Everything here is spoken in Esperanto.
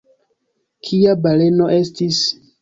Kia baleno estis?